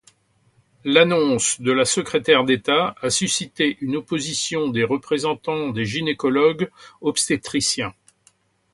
L'annonce de la secrétaire d'État a suscité une opposition des représentants des gynécologues obstétriciens.